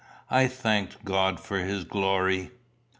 I thanked God for his glory.